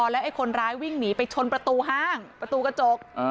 แล้วไอ้คนร้ายวิ่งหนีไปชนประตูห้างประตูกระจก